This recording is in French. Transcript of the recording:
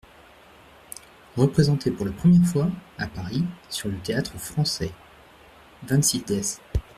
Représentée pour la première fois, à Paris, sur le Théâtre-Français (vingt-six déc.